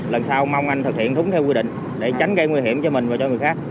lần sau mong anh thực hiện đúng theo quy định để tránh gây nguy hiểm cho mình và cho người khác